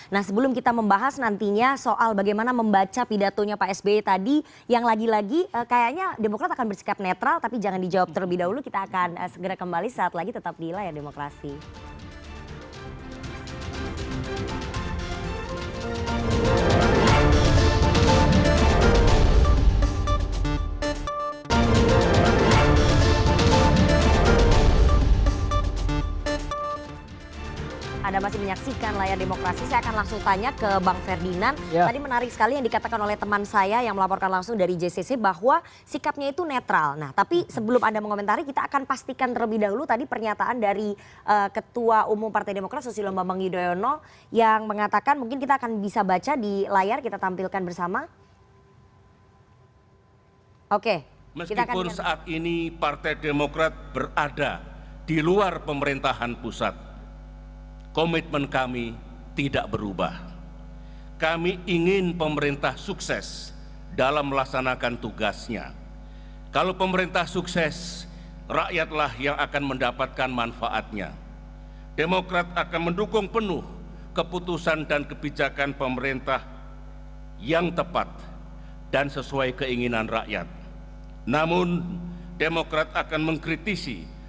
nah sebelum kita membahas nantinya soal bagaimana membaca pidatonya pak sby tadi yang lagi lagi kayaknya demokrat akan bersikap netral tapi jangan dijawab terlebih dahulu kita akan segera kembali saat lagi tetap di layar demokrasi